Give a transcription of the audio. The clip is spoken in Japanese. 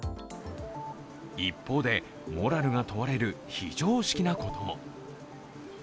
一方で、モラルが問われる非常識なことも。